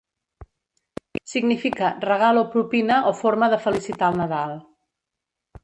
Significa regal o propina o forma de felicitar el Nadal.